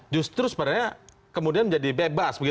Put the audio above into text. justru sebenarnya kemudian menjadi bebas